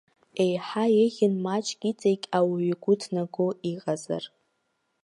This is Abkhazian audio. Еиҳа еиӷьын маҷк иҵегь ауаҩы игәы ҭнаго иҟазар.